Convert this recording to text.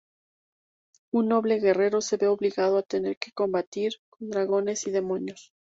Un noble guerrero se ve obligado a tener que combatir con dragones y demonios.